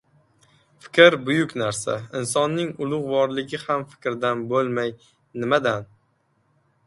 Fikr! Buyuk narsa! Insonning ulug‘vorligi ham fikrdan bo‘lmay nimadan?